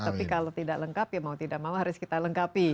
tapi kalau tidak lengkap ya mau tidak mau harus kita lengkapi